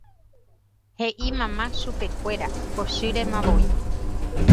He'i mamá chupekuéra pochýremavoi.